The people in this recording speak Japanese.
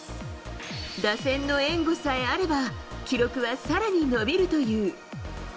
打線の援護さえあれば、記録はさらに伸びるという。